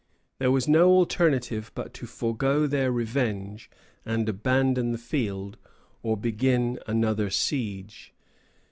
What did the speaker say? There was no alternative but to forego their revenge and abandon the field, or begin another siege.